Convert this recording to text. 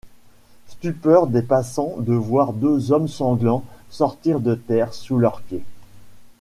Stupeur des passants de voir deux hommes sanglants sortir de terre sous leurs pieds.